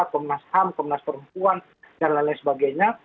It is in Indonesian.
komnas ham komnas perempuan dan lain lain sebagainya